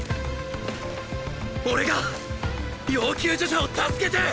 俺が要救助者を助けて！